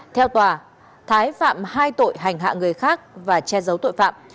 theo tòa thái phạm hai tội hành hạ người khác và che giấu tội phạm